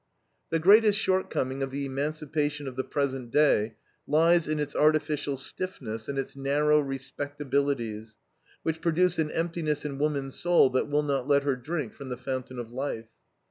The greatest shortcoming of the emancipation of the present day lies in its artificial stiffness and its narrow respectabilities, which produce an emptiness in woman's soul that will not let her drink from the fountain of life.